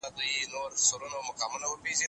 که نجونې پوه شي نو تاوتریخوالی به نه زغمي.